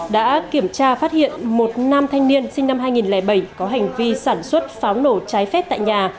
đã kiểm tra phát hiện một nam thanh niên sinh năm hai nghìn bảy có hành vi sản xuất pháo nổ trái phép tại nhà